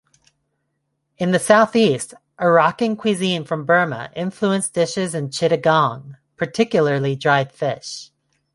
In the southeast, Arakan cuisine from Burma influenced dishes in Chittagong, particularly dried fish.